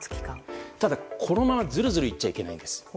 ただ、このままずるずるいっちゃいけないんです。